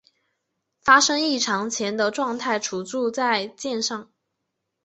发生异常前的状态存储在栈上。